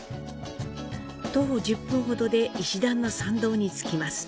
徒歩１０分ほどで石段の参道に着きます。